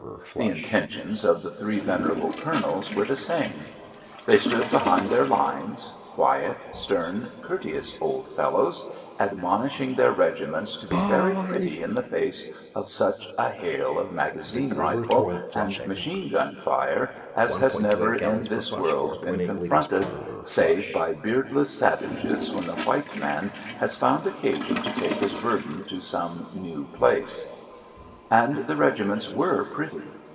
The intentions of the three venerable Colonels were the same. They stood behind their lines, quiet, stern, courteous old fellows, admonishing their regiments to be very pretty in the face of such a hail of magazine rifle and machine gun fire as has never in this world been confronted save by beardless savages when the white man has found occasion to take his burden to some new place. And the regiments were pretty.